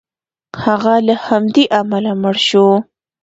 هغه له همدې امله مړ شو.